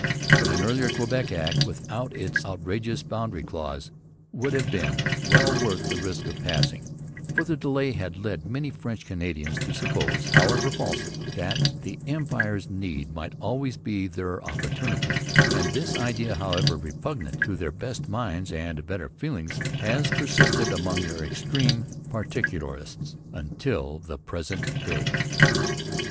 But an earlier Quebec Act, without its outrageous boundary clause, would have been well worth the risk of passing; for the delay led many French Canadians to suppose, however falsely, that the Empire's need might always be their opportunity; and this idea, however repugnant to their best minds and better feelings, has persisted among their extreme particularists until the present day.